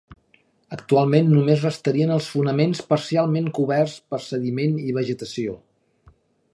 Actualment només restarien els fonaments parcialment coberts per sediment i vegetació.